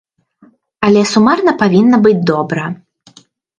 Але сумарна павінна быць добра.